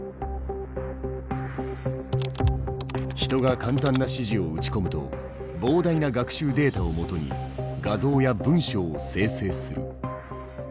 人が簡単な指示を打ち込むと膨大な学習データをもとに画像や文章を生成する。